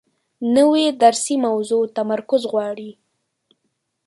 نوې درسي موضوع تمرکز غواړي